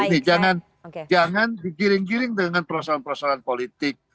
ini jangan digiring giring dengan perosolan perosolan politik